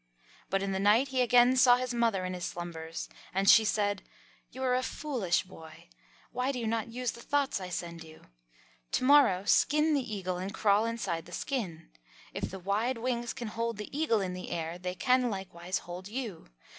But in the night he again saw his mother in his slumbers. And she said, "You are a foolish boy. Why do you not use the thoughts I send you? To morrow skin the eagle and crawl inside the skin. If the wide wings can hold the Eagle in the air they can likewise hold you.